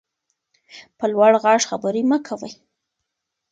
په لوړ غږ خبرې مه کوئ.